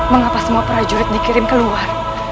mengapa semua prajurit dikirim keluar